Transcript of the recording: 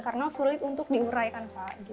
karena sulit untuk diuraikan